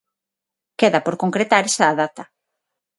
Queda por concretar esa data.